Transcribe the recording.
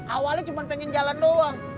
awalnya cuma pengen jalan doang